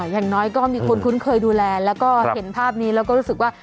อย่างน้อยก็มีคนคุ้นเคยดูแลแล้วก็เห็นภาพนี้แล้วก็รู้สึกว่า